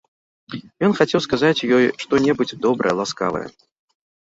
Ён хацеў сказаць ёй што-небудзь добрае, ласкавае.